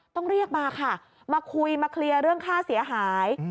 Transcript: ต้องเรียกมาค่ะมาคุยมาเคลียร์เรื่องค่าเสียหาย